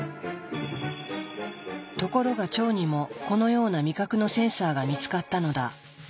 ところが腸にもこのような味覚のセンサーが見つかったのだ。